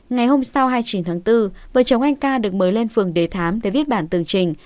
ngày hôm sau hai mươi chín tháng bốn vợ chồng anh ca được mới lên phường đề thám để viết bản tường trình